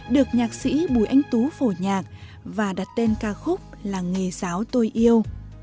được nhạc sĩ bùi anh tú phổ nhạc và đặt tên ca khúc là nghề giáo tôi yêu